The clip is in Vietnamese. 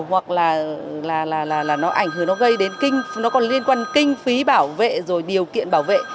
hoặc là nó ảnh hưởng nó gây đến nó còn liên quan kinh phí bảo vệ rồi điều kiện bảo vệ